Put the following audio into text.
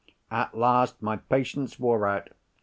At last my patience wore out.